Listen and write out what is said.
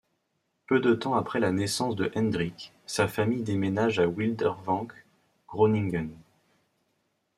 Peu de temps après la naissance de Hendrik, sa famille déménage à Wildervank, Groningen.